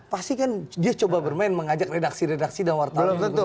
pasti kan dia coba bermain mengajak redaksi redaksi dan wartawan